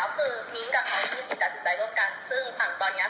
ก็คือมิ๊กต้องการคุณกับรับการส่วนตัว